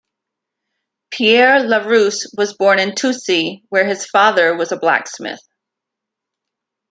Pierre Larousse was born in Toucy, where his father was a blacksmith.